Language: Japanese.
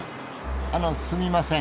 あのすみません。